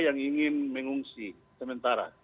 yang ingin mengungsi sementara